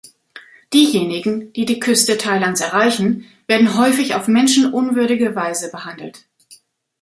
Diejenigen, die die Küste Thailands erreichen, werden häufig auf menschenunwürdige Weise behandelt.